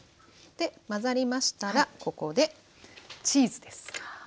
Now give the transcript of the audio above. で混ざりましたらここでチーズです。